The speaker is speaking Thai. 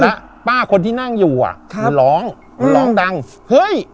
แล้วป้าคนที่นั่งอยู่อ่ะค่ะมันร้องมันร้องดังเฮ้ย